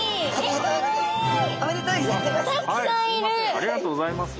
ありがとうございます。